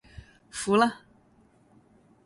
服了